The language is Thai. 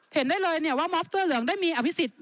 เห็นได้เลยเนี่ยว่ามสเหลืองได้มีอภิษฐ์